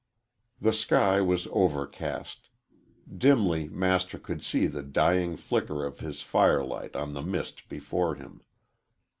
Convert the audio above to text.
The sky was overcast. Dimly Master could see the dying flicker of his firelight on the mist before him.